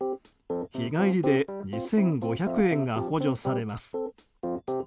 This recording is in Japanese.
日帰りで２５００円が補助されます。